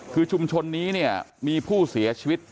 คือชุมชนนี้เนี่ยมีผู้เสียชีวิต